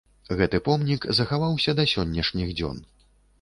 Гэты помнік захаваўся да сённяшніх дзён.